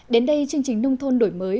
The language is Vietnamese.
đến đây chương trình nông thôn đổi mới